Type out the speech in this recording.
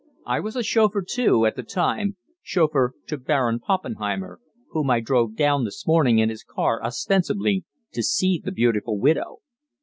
I was a chauffeur, too, at the time, chauffeur to 'Baron Poppenheimer,' whom I drove down this morning in his car ostensibly to see the beautiful widow.